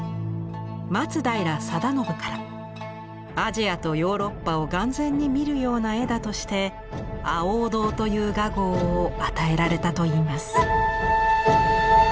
松平定信からアジアとヨーロッパを眼前に見るような絵だとして「亜欧堂」という雅号を与えられたといいます。